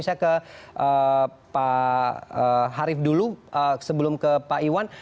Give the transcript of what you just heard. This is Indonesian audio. saya ke pak harif dulu sebelum ke pak iwan